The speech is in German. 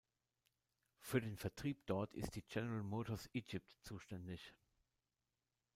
Für den Vertrieb dort ist die General Motors Egypt zuständig.